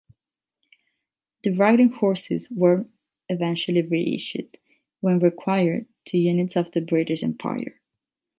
The riding horses were eventually reissued, when required, to units of the British Empire.